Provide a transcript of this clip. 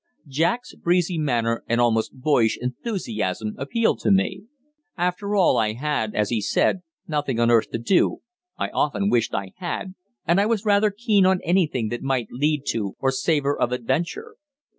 Jack's breezy manner and almost boyish enthusiasm appealed to me. After all, I had, as he said, nothing on earth to do I often wished I had and I was rather keen on anything that might lead to or savour of adventure.